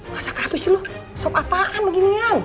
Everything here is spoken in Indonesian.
masak habis lu sop apaan beginian